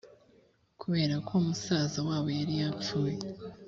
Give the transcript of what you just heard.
kubera ko musaza wabo yari yapfuye